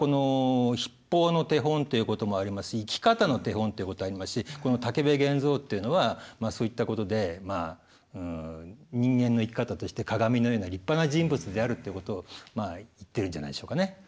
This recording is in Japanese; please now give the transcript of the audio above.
筆法の手本ということもありますし生き方の手本ということもありますしこの武部源蔵というのはそういったことで人間の生き方として鑑のような立派な人物であるっていうことを言ってるんじゃないでしょうかね。